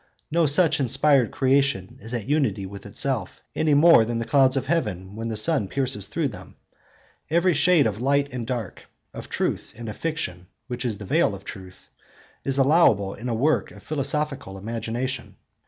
No such inspired creation is at unity with itself, any more than the clouds of heaven when the sun pierces through them. Every shade of light and dark, of truth, and of fiction which is the veil of truth, is allowable in a work of philosophical imagination.